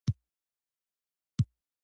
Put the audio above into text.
د لومړۍ درجې تقدیرنامې اخیستل مرسته کوي.